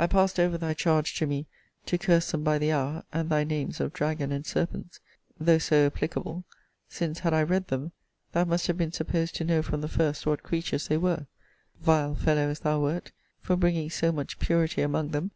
I passed over thy charge to me, to curse them by the hour; and thy names of dragon and serpents, though so applicable; since, had I read them, thou must have been supposed to know from the first what creatures they were; vile fellow as thou wert, for bringing so much purity among them!